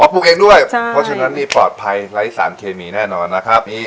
ปลูกเองด้วยเพราะฉะนั้นนี่ปลอดภัยไร้สารเคมีแน่นอนนะครับ